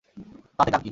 তাতে কার কী?